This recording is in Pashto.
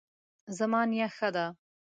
زما نیا ښه ده